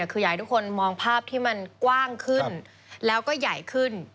คืออยากให้ทุกคนมองภาพที่มันกว้างขึ้นแล้วก็ใหญ่ขึ้น